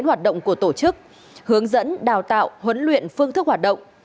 hướng dẫn đào tạo huấn luyện phương thức hoạt động